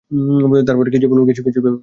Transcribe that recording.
তার পরে কী যে বলবে কিছুই ভেবে পায় না।